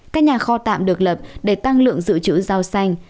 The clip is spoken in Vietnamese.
các nhà kho tạm được lập để tăng lượng dự trữ rau xanh